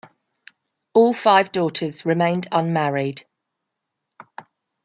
All five daughters remained unmarried.